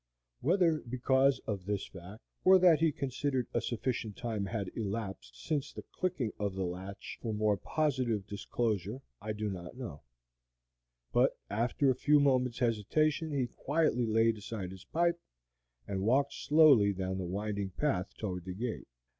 Whether because of this fact, or that he considered a sufficient time had elapsed since the clicking of the latch for more positive disclosure, I do not know; but after a few moments' hesitation he quietly laid aside his pipe and walked slowly down the winding path toward the gate.